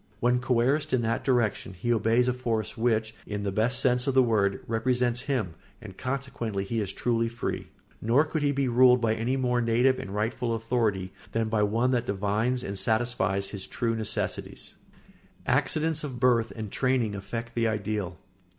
When coerced in that direction he obeys a force which, in the best sense of the word, represents him, and consequently he is truly free; nor could he be ruled by a more native and rightful authority than by one that divines and satisfies his true necessities. [Sidenote: Accidents of birth and training affect the ideal.